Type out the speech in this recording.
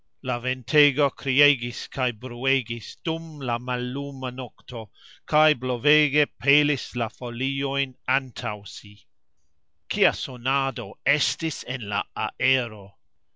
La ventego kriegis kaj bruegis dum la malluma nokto kaj blovege pelis la foliojn antaux si. Kia sonado estis en la aero!